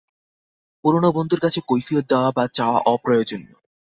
পুরনো বন্ধুর কাছে কৈফিয়ত দেওয়া বা চাওয়া অপ্রয়োজনীয়।